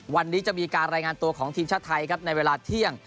วันนี้จะมีการรายงานตัวของทีมชาติไทยครับในเวลาเที่ยง